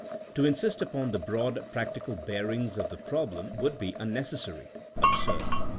To insist upon the broad practical bearings of the problem would be un necessary, absurd.